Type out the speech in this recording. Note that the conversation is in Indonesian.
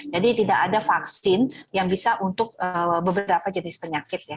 jadi tidak ada vaksin yang bisa untuk beberapa jenis penyakit